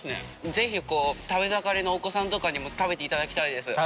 ぜひこう食べ盛りのお子さんとかにも食べて頂きたいです。